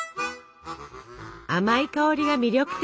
甘い香りが魅力的！